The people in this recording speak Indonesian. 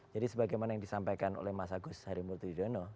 jadi sebagaimana yang disampaikan oleh mas agus harimulti diodono